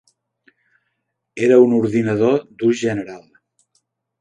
Era un ordinador d"ús general.